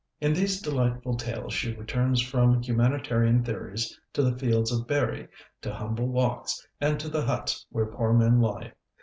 In these delightful tales she returns from humanitarian theories to the fields of Berri, to humble walks, and to the huts where poor men lie.